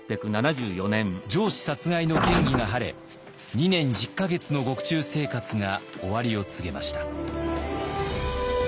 上司殺害の嫌疑が晴れ２年１０か月の獄中生活が終わりを告げました。